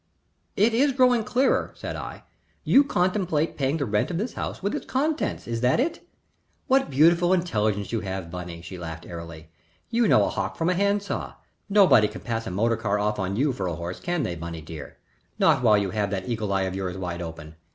"It is growing clearer," said I. "You contemplate paying the rent of this house with its contents, is that it?" "What beautiful intelligence you have, Bunny!" she laughed, airily. "You know a hawk from a hand saw. Nobody can pass a motor car off on you for a horse, can they, Bunny dear? Not while you have that eagle eye of yours wide open.